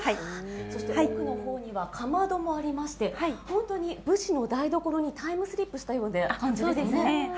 そして奥の方にはかまどもありまして本当に武士の台所にタイムスリップしたような感じですね。